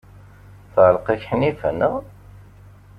Teɛreq-ak Ḥnifa, naɣ?